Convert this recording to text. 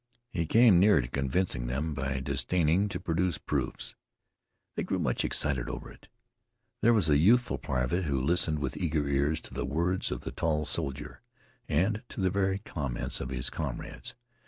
He came near to convincing them by disdaining to produce proofs. They grew excited over it. There was a youthful private who listened with eager ears to the words of the tall soldier and to the varied comments of his comrades.